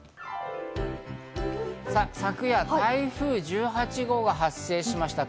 昨夜台風１８号が発生しました。